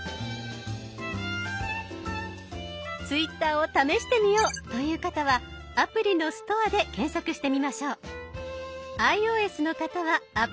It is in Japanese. ツイッターを試してみようという方はアプリのストアで検索してみましょう。